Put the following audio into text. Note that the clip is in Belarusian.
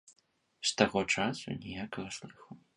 З таго часу ніякага слыху.